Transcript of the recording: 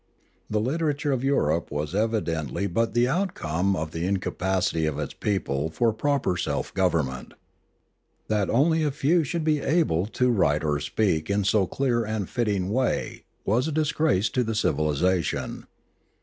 The literature of Europe was evidently but the outcome of the incapacity of its people for proper self government. That only a few should be able to write or speak in so clear and fitting a way was a dis grace to the civilisation.